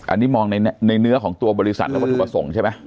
อันนี้มองในเนื้อของตัวบริษัทและวัตถุประสงค์ใช่ไหม